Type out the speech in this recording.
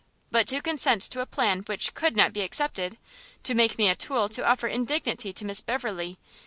But to consent to a plan which could not be accepted! to make me a tool to offer indignity to Miss Beverley!